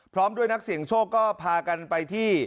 พร้อมด้วยนักเสี่ยงโชคก็พากันไปที่